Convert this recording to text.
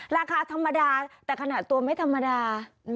ราคาธรรมดาแต่ขนาดตัวไม่ธรรมดา